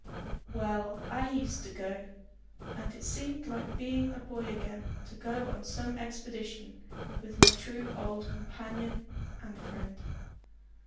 Well, I used to go, and it seemed like being a boy again to go on some expedition with my true old companion and friend.